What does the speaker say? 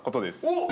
◆おっ！